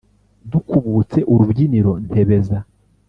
Dukubutse urubyiniro ntebeza